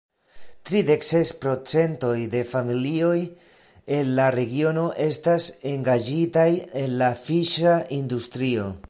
Tridek ses procentoj de familioj en la regiono estas engaĝitaj en la fiŝa industrio.